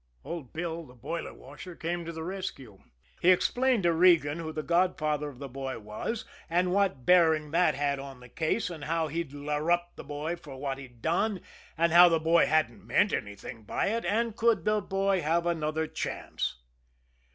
Old Bill, the boiler washer, came to the rescue. He explained to Regan who the godfather of the boy was and what bearing that had on the case, and how he'd larruped the boy for what he'd done, and how the boy hadn't meant anything by it and could the boy have another chance?